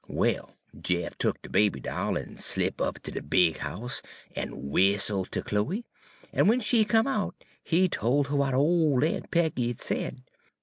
"Well, Jeff tuk de baby doll, en slip' up ter de big house, en whistle' ter Chloe, en w'en she come out he tol' 'er w'at ole Aun' Peggy had said.